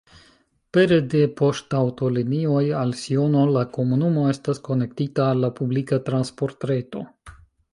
Pere de poŝtaŭtolinioj al Siono la komunumo estas konektita al la publika transportreto.